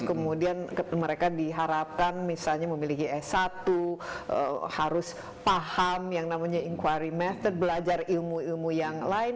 kemudian mereka diharapkan misalnya memiliki s satu harus paham yang namanya inquarry mether belajar ilmu ilmu yang lain